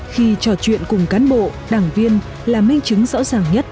khi trò chuyện cùng cán bộ đảng viên là minh chứng rõ ràng nhất